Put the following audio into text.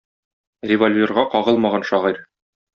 Револьверга кагылмаган шагыйрь.